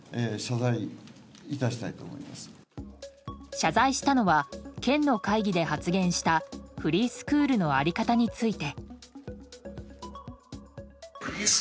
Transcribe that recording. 謝罪したのは県の会議で発言したフリースクールの在り方について。